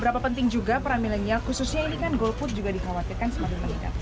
berapa penting juga peran milenial khususnya ini kan golput juga dikhawatirkan sebagai penting